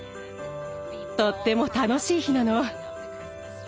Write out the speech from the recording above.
とっても楽しい日なの。